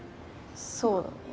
そうだね。